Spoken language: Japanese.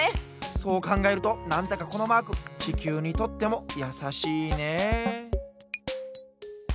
そうかんがえるとなんだかこのマークちきゅうにとってもやさしいねえ。